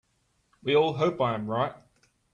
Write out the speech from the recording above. We all hope I am right.